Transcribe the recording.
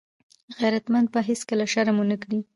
غیرتمند به هېڅکله شرم ونه کړي